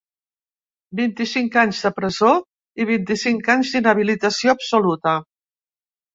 Vint-i-cinc anys de presó i vint-i-cinc anys d’inhabilitació absoluta.